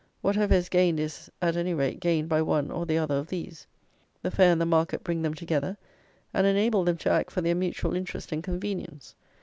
Whatever is gained is, at any rate, gained by one or the other of these. The fair and the market bring them together, and enable them to act for their mutual interest and convenience.